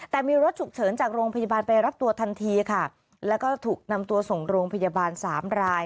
แต่มีรถฉุกเฉินจากโรงพยาบาลไปรับตัวทันทีค่ะแล้วก็ถูกนำตัวส่งโรงพยาบาลสามราย